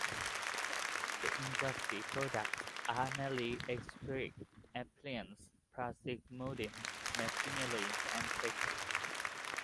The industry products are mainly electric appliances, plastic moulding, machinery and textiles.